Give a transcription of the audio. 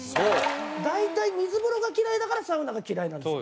大体水風呂が嫌いだからサウナが嫌いなんです。